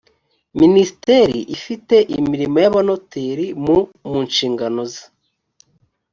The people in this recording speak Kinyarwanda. minisiteri ifite imirimo y’abanoteri mu mu nshingano ze